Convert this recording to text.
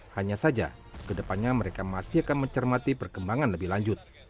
hanya saja kedepannya mereka masih akan mencermati perkembangan lebih lanjut